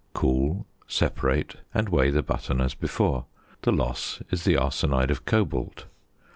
Cool, separate, and weigh the button as before. The loss is the arsenide of cobalt.